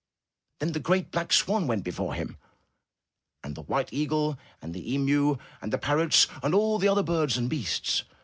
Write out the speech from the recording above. Then the great, black swan went before him, and the white eagle, and the emu, and the parrots, and all the other birds and beasts.